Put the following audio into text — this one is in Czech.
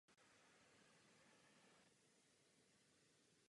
Nic nového pod sluncem.